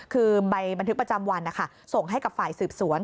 คือใบบันทึกประจำวันนะคะส่งให้กับฝ่ายสืบสวน